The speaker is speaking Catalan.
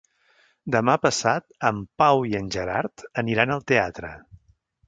Demà passat en Pau i en Gerard aniran al teatre.